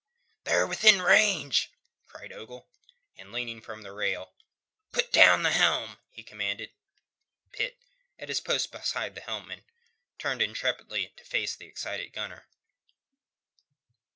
"They are within range," cried Ogle. And leaning from the rail, "Put down the helm," he commanded. Pitt, at his post beside the helmsman, turned intrepidly to face the excited gunner.